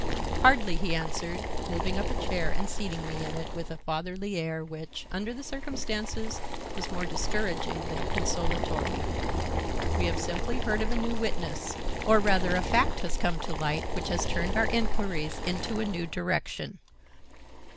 "Hardly," he answered, moving up a chair and seating me in it with a fatherly air which, under the circumstances, was more discouraging than consolatory. "We have simply heard of a new witness, or rather a fact has come to light which has turned our inquiries into a new direction."